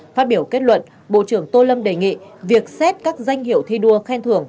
phát biểu kết luận bộ trưởng tô lâm đề nghị việc xét các danh hiệu thi đua khen thưởng